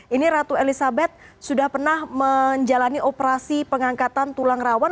ini ratu elizabeth sudah pernah menjalani operasi pengangkatan tulang rawan